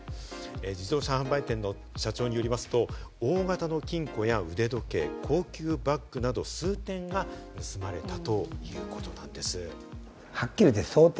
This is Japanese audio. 自動車販売店の社長によりますと、大型の金庫や腕時計、高級バッグなど数点が盗まれたということなんです。